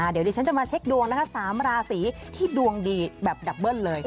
เดี๋ยวดิฉันจะมาเช็คดวงนะคะ๓ราศีที่ดวงดีแบบดับเบิ้ลเลย